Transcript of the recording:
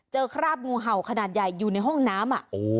คราบงูเห่าขนาดใหญ่อยู่ในห้องน้ำ